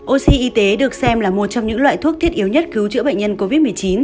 oxy y tế được xem là một trong những loại thuốc thiết yếu nhất cứu chữa bệnh nhân covid một mươi chín